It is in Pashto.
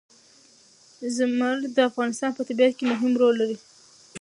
زمرد د افغانستان په طبیعت کې مهم رول لري.